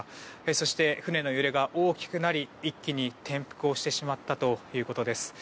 そして、船の揺れが大きくなり一気に転覆してしまったということです。